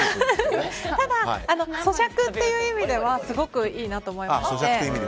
ただ、咀嚼という意味ではすごくいいなと思いまして。